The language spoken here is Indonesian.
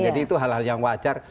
jadi itu hal hal yang wajar